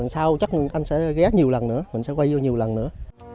sau chắc anh sẽ ghé nhiều lần nữa mình sẽ quay vô nhiều lần nữa